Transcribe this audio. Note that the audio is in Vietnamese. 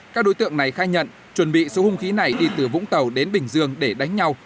các đối tượng này khai nhận chuẩn bị số hung khí này đi từ vũng tàu đến bình dương để đánh nhau